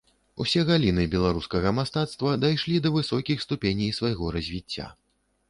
Усе галіны беларускага мастацтва дайшлі да высокіх ступеней свайго развіцця.